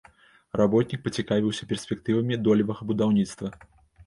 Работнік пацікавіўся перспектывамі долевага будаўніцтва.